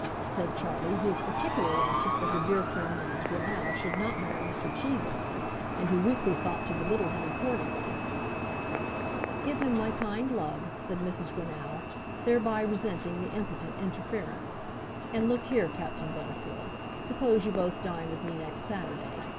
said Charlie who was particularly anxious that her dear friend, Mrs. Greenow, should not marry Mr. Cheesacre, and who weakly thought to belittle him accordingly. "Give him my kind love," said Mrs. Greenow, thereby resenting the impotent interference. "And look here, Captain Bellfield, suppose you both dine with me next Saturday.